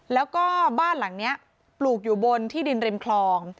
แล้วก็บ้านหลังนี้ปลูกอยู่บนที่ดินริมคลอง